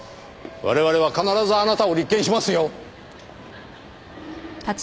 我々は必ずあなたを立件しますよ！